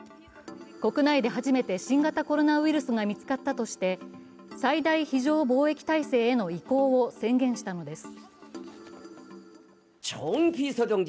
国内で初めて新型コロナウイルスが見つかったとして最大非常防疫体制への移行を宣言したのです。